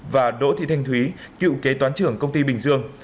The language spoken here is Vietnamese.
và đỗ thị thanh thúy cựu kế toán trưởng công ty bình dương